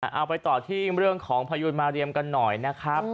เอาไปต่อที่เรื่องของพายุนมาเรียมกันหน่อยนะครับ